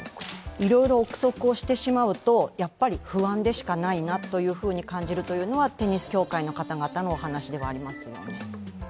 いろいろ憶測をしてしまうとやっぱり不安でしかないなと感じるというのはテニス協会の方々のお話ではありますよね。